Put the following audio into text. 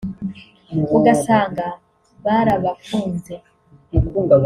ugasanga barabafunze